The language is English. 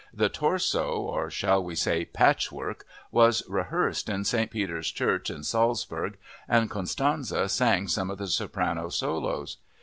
The torso (or shall we say patchwork?) was rehearsed in St. Peter's Church in Salzburg, and Constanze sang some of the soprano solos.